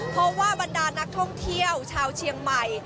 เพราะว่าบรรดานักท่องเที่ยวชาวเชียงใหม่